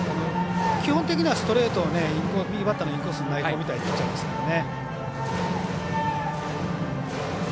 基本的にはストレートを右バッターのインコースに投げ込みたいピッチャーですからね。